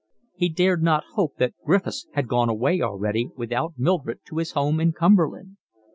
He dared not hope that Griffiths had gone away already, without Mildred, to his home in Cumberland.